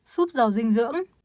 súp dò dinh dưỡng